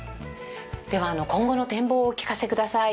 では今後の展望をお聞かせください。